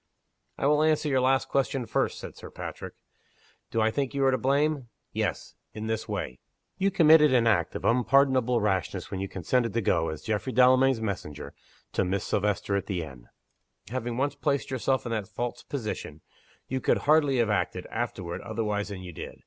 "I will answer your last question first," said Sir Patrick. "Do I think you are to blame? Yes in this way. You committed an act of unpardonable rashness when you consented to go, as Geoffrey Delamayn's messenger, to Miss Silvester at the inn. Having once placed yourself in that false position, you could hardly have acted, afterward, otherwise than you did.